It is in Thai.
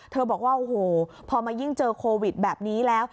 บอกว่าโอ้โหพอมายิ่งเจอโควิดแบบนี้แล้ว